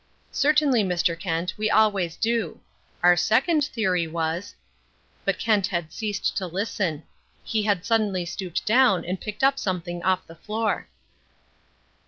"Certainly, Mr. Kent, we always do. Our second theory was " But Kent had ceased to listen. He had suddenly stooped down and picked up something off the floor.